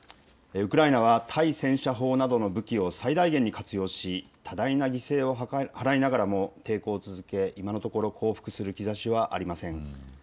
ウクライナは対戦車砲などの武器を最大限に活用し多大な犠牲を払いながらも抵抗を続け、今のところ降伏する兆しはありません。